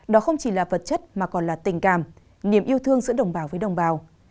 đó không chỉ là vật chất mà còn là tình cảm niềm yêu thương giữa đồng bào với đồng bào